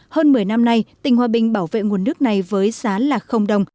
hơn một mươi năm nay tỉnh hòa bình bảo vệ nguồn nước này với giá là đồng